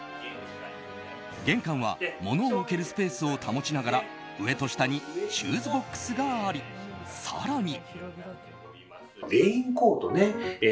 玄関は物を置けるスペースを保ちながら上と下にシューズボックスがあり更に。